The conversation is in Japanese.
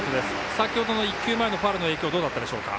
先ほどの１球前のファウルの影響どうだったでしょうか。